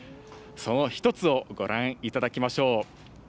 その一つをご覧いただきましょう。